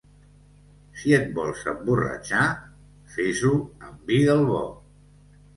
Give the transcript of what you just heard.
Si et vols emborratxar, fes-ho amb vi del bo.